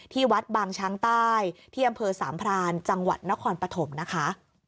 ที่วัดบางช้างใต้ที่อำเภอสามพรานจังหวัดนครปฐมนะคะ